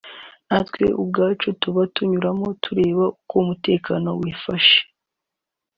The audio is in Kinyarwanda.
natwe ubwacu tuba tunyuramo tureba uko umutekano wifashe